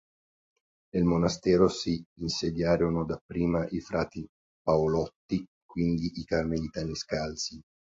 Nel monastero si insediarono dapprima i frati paolotti, quindi i carmelitani scalzi.